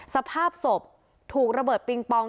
สภาพศพถูกระเบิดปิงปอง